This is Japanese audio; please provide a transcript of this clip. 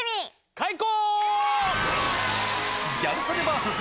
開講！